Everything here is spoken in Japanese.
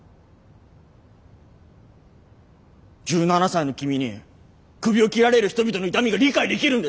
１７才の君にクビを切られる人々の痛みが理解できるんですか！